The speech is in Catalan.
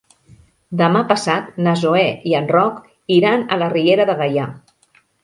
Demà passat na Zoè i en Roc iran a la Riera de Gaià.